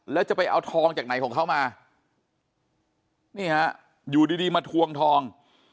แล้วจะไปเอาทองจากไหนของเขามานี่ฮะอยู่ดีดีมาทวงทอง